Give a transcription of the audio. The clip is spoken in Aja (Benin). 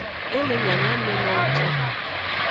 E le nyanyamenowo can.